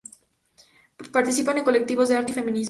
Participa en colectivos de arte y feminismo.